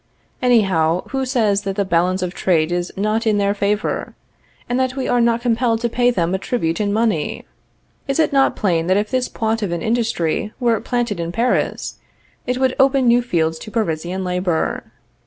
Anyhow, who says that the balance of trade is not in their favor, and that we are not compelled to pay them a tribute in money? Is it not plain that if this Poitevin industry were planted in Paris, it would open new fields to Parisian labor?